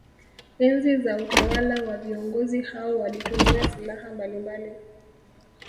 Enzi za utawala wa viongozi hao walitumia silaha mbalimbali